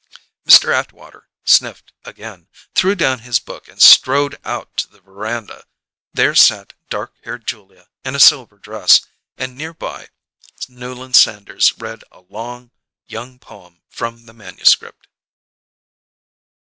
Mr. Atwater sniffed again, threw down his book and strode out to the veranda. There sat dark haired Julia in a silver dress, and near by, Newland Sanders read a long young poem from the manuscript.